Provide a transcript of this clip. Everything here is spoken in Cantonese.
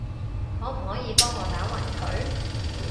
可唔可以幫我打暈佢？